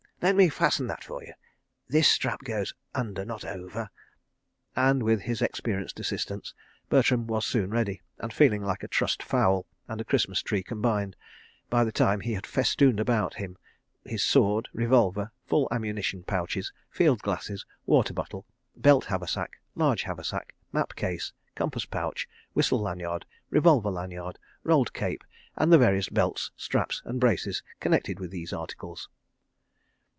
... Let me fasten that for you. This strap goes under not over. ..." And, with his experienced assistance, Bertram was soon ready, and feeling like a trussed fowl and a Christmas tree combined, by the time he had festooned about him his sword, revolver, full ammunition pouches, field glasses, water bottle, belt haversack, large haversack, map case, compass pouch, whistle lanyard, revolver lanyard, rolled cape, and the various belts, straps and braces connected with these articles.